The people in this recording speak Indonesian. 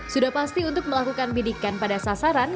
sudah pasti untuk melakukan bidikan pada sasaran